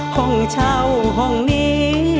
ห้องเช่าห้องนี้